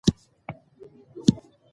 موږ باید په هر حال کې صبر وکړو.